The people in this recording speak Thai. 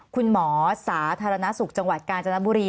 สาธารณสุขจังหวัดกาญจนบุรี